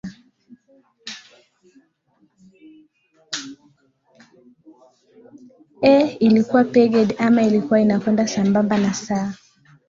eeh ilikuwa pegged ama ilikuwa inakwenda sambamba na sa